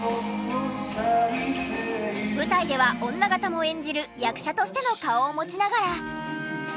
舞台では女形も演じる役者としての顔を持ちながら。